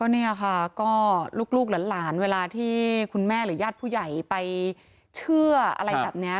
รุกหลานเวลาที่คุณแม่หรือยาติผู้ใหญ่ไปชื่ออะไรแบบแนี่ย